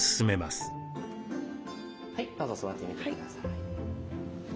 はいどうぞ座ってみてください。